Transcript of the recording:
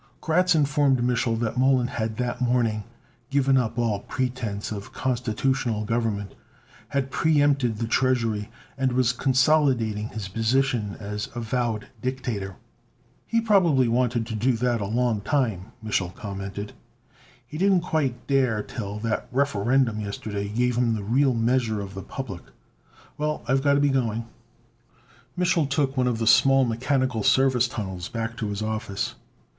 Kratz informed Mich'l that Mollon had that morning given up all pretense of constitutional government, had preempted the treasury, and was consolidating his position as avowed dictator. "He probably wanted to do that a long time," Mich'l commented. "He didn't quite dare till that Referendum yesterday gave him the real measure of the public. Well, I've got to be going." Mich'l took one of the small mechanical service tunnels back to his office.